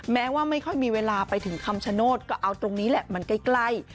แม้ว่าไม่ค่อยมีเวลาไปถึงคำชโนธก็เอาตรงนี้แหละมันใกล้